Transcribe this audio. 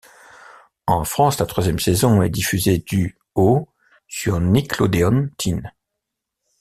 En France, la troisième saison est diffusée du au sur Nickelodeon Teen.